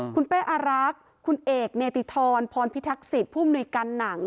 คุณเป้อารักษ์คุณเอกเนติธรพรพิทักษิตผู้มนุยการหนัง